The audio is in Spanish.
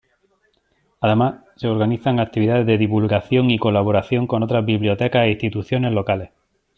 Además, se organizan actividades de divulgación y colaboración con otras bibliotecas e instituciones locales.